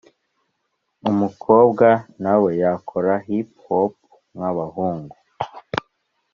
umukobwa na we yakora “hip hop” nk’abahungu,